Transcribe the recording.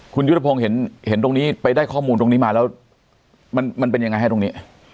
คุณยุทธพงศ์เห็นตรงนี้ไปได้ข้อมูลตรงนี้มาแล้วมันเป็นยังไงฮะตรงนี้